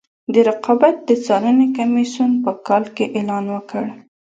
د رقابت د څارنې کمیسیون په کال کې اعلان وکړ.